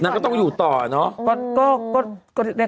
ก็ต้องอยู่ต่อเนอะ